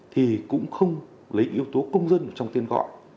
thì cũng không lấy yếu tố công dân trong tên gọi